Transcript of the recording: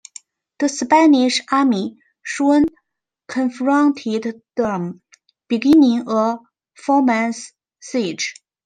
The Spanish Army soon confronted them, beginning a four-month siege.